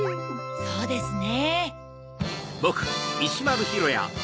そうですね。